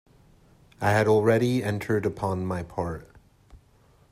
I had already entered upon my part.